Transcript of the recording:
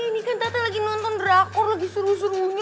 ini kan data lagi nonton drakor lagi seru serunya